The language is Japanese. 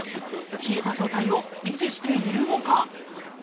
冷えた状態を維持しているのか？